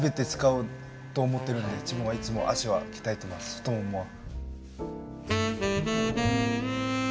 太ももは。